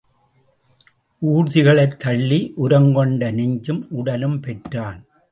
ஊர்திகளைத் தள்ளி உரம்கொண்ட நெஞ்சும் உடலும் பெற்றான்.